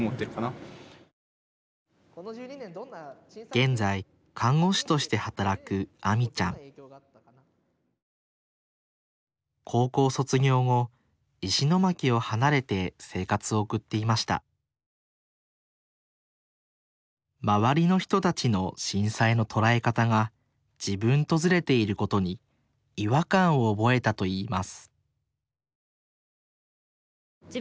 現在看護師として働くあみちゃん高校卒業後石巻を離れて生活を送っていました周りの人たちの震災の捉え方が自分とズレていることに違和感を覚えたといいます